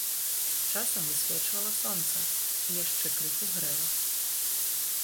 Часам высвечвала сонца і яшчэ крыху грэла.